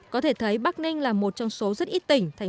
có thể thấy bắc ninh là một trong số rất ít tỉnh